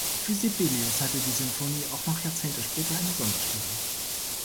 Für Sibelius hatte die Sinfonie auch noch Jahrzehnte später eine Sonderstellung.